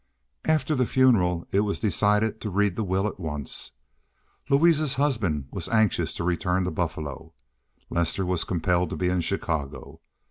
After the funeral it was decided to read the will at once. Louise's husband was anxious to return to Buffalo; Lester was compelled to be in Chicago.